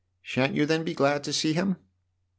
" Shan't you then be glad to see him ?